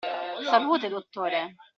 Salute, dottore!